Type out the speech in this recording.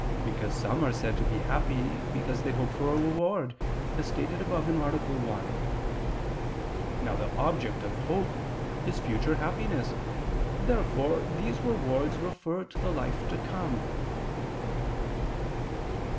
Because some are said to be happy because they hope for a reward, as stated above (A. 1). Now the object of hope is future happiness. Therefore these rewards refer to the life to come.